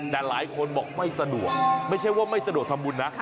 แต่หลายคนบอกไม่สะดวกไม่ใช่ว่าไม่สะดวกทำบุญนะ